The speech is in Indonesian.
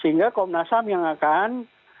sehingga komnasam yang akan